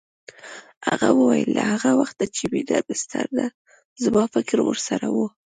هغه وویل له هغه وخته چې مينه بستر ده زما فکر ورسره و